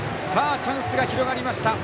チャンスが広がりました。